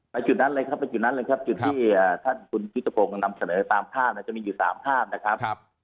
ไปจุดนั้นเลยครับจุดที่คุณยุติพงษ์นำเสนอตามภาพจะมีอยู่๓ภาพนะครับ